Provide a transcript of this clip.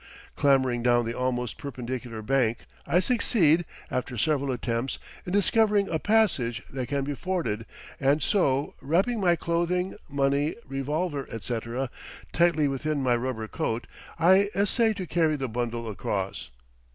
Clambering down the almost perpendicular bank I succeed, after several attempts, in discovering a passage that can be forded, and so, wrapping my clothing, money, revolver, etc. tightly within my rubber coat, I essay to carry the bundle across.